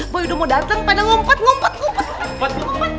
boy udah mau datang pada lompat lompat lompat